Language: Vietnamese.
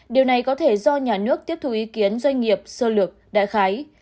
điều này có thể do nhà nước tiếp thù ý kiến doanh nghiệp sơ lược đại khái